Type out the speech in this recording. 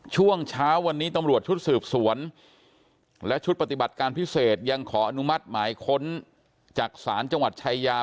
ช่วงเช้าวันนี้ตำรวจชุดสืบสวนและชุดปฏิบัติการพิเศษยังขออนุมัติหมายค้นจากศาลจังหวัดชายา